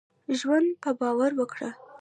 ژوند په باور وکړهٔ.